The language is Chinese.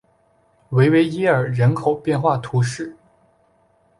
维维耶尔人口变化图示